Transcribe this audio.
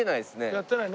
やってない。